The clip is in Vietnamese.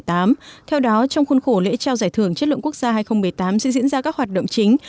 theo đó trong khuôn khổ lễ trao giải thưởng chất lượng quốc gia hai nghìn một mươi tám sẽ diễn ra các hoạt động chính